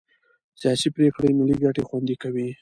سیاسي پرېکړې ملي ګټې خوندي کوي